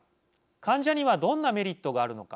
患者にはどんなメリットがあるのか。